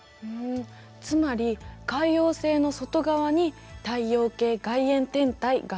つまり海王星の外側に太陽系外縁天体があるのね。